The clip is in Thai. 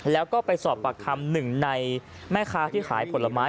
แล้วก็ไปสอบปากคำหนึ่งในแม่ค้าที่ขายผลไม้